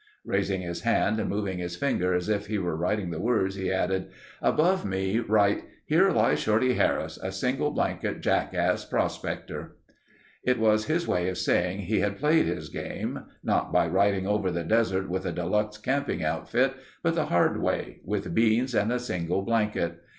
Raising his hand and moving his finger as if he were writing the words, he added: "Above me write, 'Here lies Shorty Harris, a single blanket jackass prospector.'" It was his way of saying he had played his game—not by riding over the desert with a deluxe camping outfit, but the hard way—with beans and a single blanket.